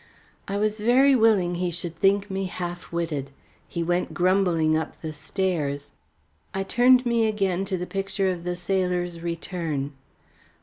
I was very willing he should think me half witted. He went grumbling up the stairs; I turned me again to the picture of the sailor's return.